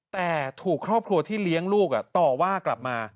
แต่ถูกครอบครัวที่เลี้ยงลูกต่อว่ากลับมา